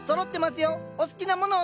お好きなものをどうぞ。